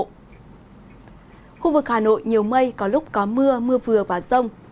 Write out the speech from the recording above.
khu vực hà nội nhiều mây có lúc có mưa mưa vừa và rông